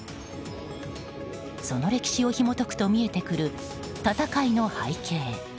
その歴史をひも解くと見えてくる戦いの背景。